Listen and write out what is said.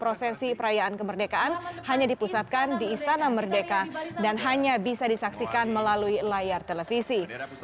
prosesi perayaan kemerdekaan hanya dipusatkan di istana merdeka dan hanya bisa disaksikan melalui layar televisi